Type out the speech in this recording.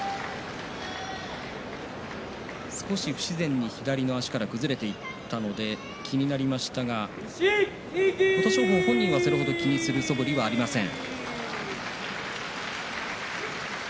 少し不自然に左の足から崩れていったので気になりましたが琴勝峰本人はそれ程気にするそぶりはありません。